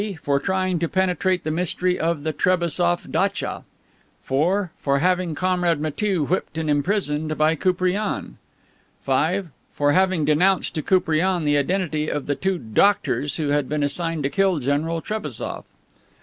For trying to penetrate the mystery of the Trebassof datcha. 4. For having Comrade Matiew whipped and imprisoned by Koupriane. 5. For having denounced to Koupriane the identity of the two "doctors" who had been assigned to kill General Trebassof.